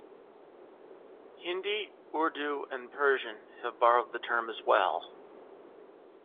Hindi, Urdu and Persian have borrowed the term as well.